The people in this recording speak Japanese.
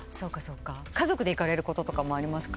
家族で行かれることとかもありますか？